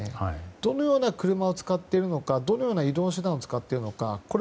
どのような車を使っているのかどのような移動手段を使っているのか。